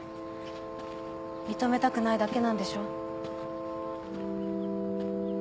認めたくないだけなんでしょ？